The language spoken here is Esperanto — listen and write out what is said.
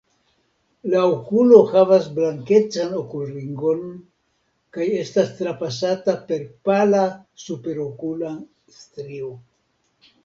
La okulo havas blankecan okulringon kaj estas trapasata per pala superokula strio.